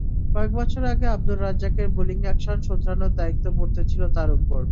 কয়েক বছর আগে আবদুর রাজ্জাকের বোলিং অ্যাকশন শোধরানোর দায়িত্ব বর্তেছিল তাঁর ওপর।